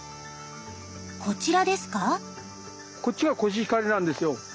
こちらですか？